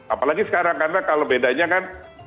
apalagi sekarang karena kalau bedanya kan